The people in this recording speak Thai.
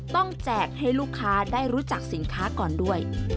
แจกให้ลูกค้าได้รู้จักสินค้าก่อนด้วย